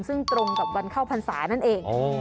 ซึ่งตรงกับวันเข้าพรรษานั่นเอง